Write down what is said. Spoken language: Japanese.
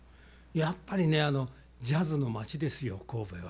やっぱりねジャズの街ですよ神戸は。